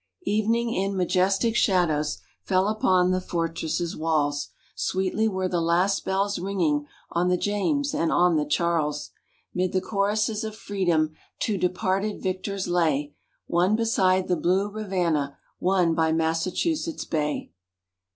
__Evening, in majestic shadows, fell upon the fortress' walls; Sweetly were the last bells ringing on the James and on the Charles. 'Mid the choruses of Freedom, two departed victors lay, One beside the blue Rivanna, one by Massachusetts Bay.